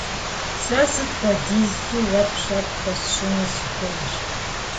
Сэ сыт хуэдизкӀи уэ пщӀэ пхуэсщӀыну сыхуейщ.